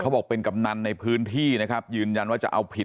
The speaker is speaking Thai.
บอกเป็นกำนันในพื้นที่นะครับยืนยันว่าจะเอาผิด